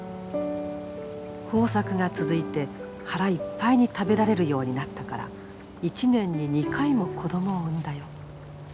豊作が続いて腹いっぱいに食べられるようになったから１年に２回も子供を産んだよ。